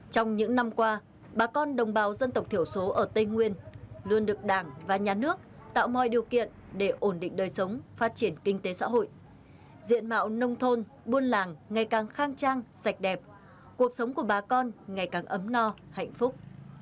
trong những năm qua bà con đồng bào dân tộc thiểu số ở tây nguyên luôn được đảng và nhà nước tạo mọi điều kiện để ổn định đời sống phát triển kinh tế xã hội diện mạo nông thôn buôn làng ngày càng khang trang sạch đẹp cuộc sống của bà con ngày càng ấm no hạnh phúc